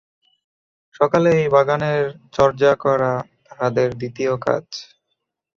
সকালে এই বাগানের চর্যা করা তাহাদের দ্বিতীয় কাজ।